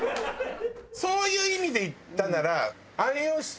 そういう意味で言ったならあらまた？